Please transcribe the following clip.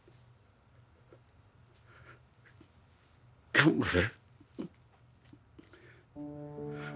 頑張れ。